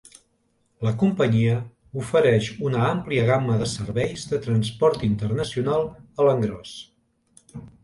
La companyia ofereix una àmplia gamma de serveis de transport internacional a l'engròs.